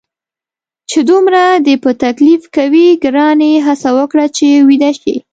چې دومره دې په تکلیف کوي، ګرانې هڅه وکړه چې ویده شې.